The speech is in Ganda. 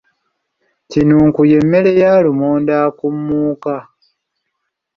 Kinunku ye mmere ya lumonde akuumuuka.